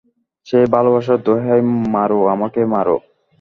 সেই ভালোবাসার দোহাই, মারো, আমাকে মারো।